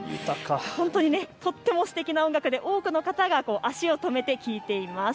本当にとてもすてきな音楽で多くの方が足を止めて聴いています。